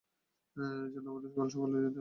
এজন্য আমাদের কাল সকালেই যেতে হবে।